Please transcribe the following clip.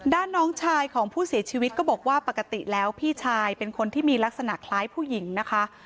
น้องชายของผู้เสียชีวิตก็บอกว่าปกติแล้วพี่ชายเป็นคนที่มีลักษณะคล้ายผู้หญิงนะคะ